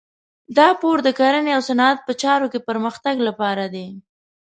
دا پور د کرنې او صنعت په چارو کې پرمختګ لپاره دی.